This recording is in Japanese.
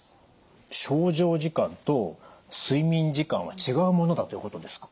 床上時間と睡眠時間は違うものだということですか？